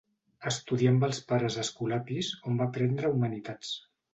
Estudià amb els Pares Escolapis, on va aprendre humanitats.